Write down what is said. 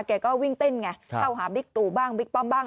แกก็วิ่งเต้นไงเข้าหาบิ๊กตู่บ้างบิ๊กป้อมบ้าง